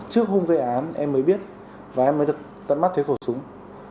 trước hôm gây án em mới biết và em mới được tận mắt thuế khẩu súng